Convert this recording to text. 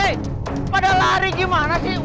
eh pada lari gimana sih